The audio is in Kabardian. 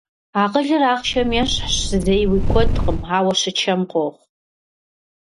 Акъылыр ахъшэм ещхьщ, зэи уи куэдкъым, ауэ щычэм къохъу.